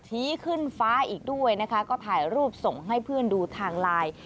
ขึ้นฟ้าอีกด้วยนะคะก็ถ่ายรูปส่งให้เพื่อนดูทางไลน์